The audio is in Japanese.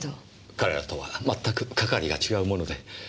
彼らとは全く係が違うもので。